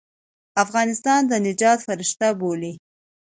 د افغانستان د نجات فرشته بولي.